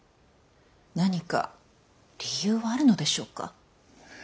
何か理由はあるのでしょうか？